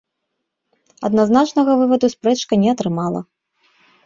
Адназначнага вываду спрэчка не атрымала.